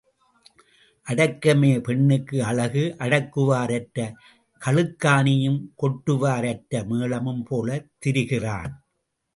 அடக்கமே பெண்ணுக்கு அழகு அடக்குவார் அற்ற கழுக்காணியும் கொட்டுவார் அற்ற மேளமும் போலத் திரிகிறான்.